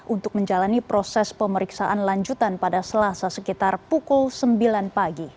untuk menjalani proses pemeriksaan lanjutan pada selasa sekitar pukul sembilan pagi